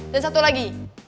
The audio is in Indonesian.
dan satu lagi